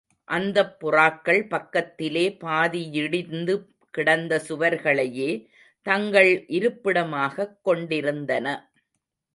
அந்தப் புறாக்கள் பக்கத்திலே பாதியிடிந்து கிடந்த சுவர்களையே தங்கள் இருப்பிடமாகக் கொண்டிருந்தன.